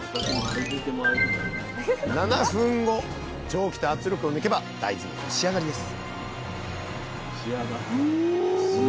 蒸気と圧力を抜けば大豆の蒸し上がりです